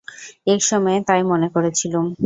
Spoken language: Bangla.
এক সময়ে তাই মনে করেছিলুম।